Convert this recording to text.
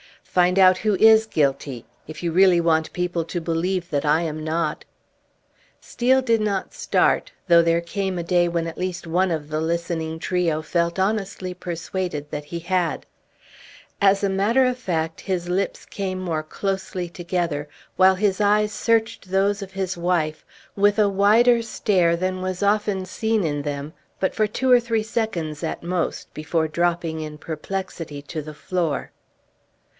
"Find out who is guilty, if you really want people to believe that I am not!" Steel did not start, though there came a day when one at least of the listening trio felt honestly persuaded that he had; as a matter of fact, his lips came more closely together, while his eyes searched those of his wife with a wider stare than was often seen in them, but for two or three seconds at most, before dropping in perplexity to the floor.